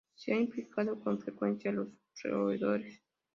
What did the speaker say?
Se ha implicado con frecuencia a los roedores.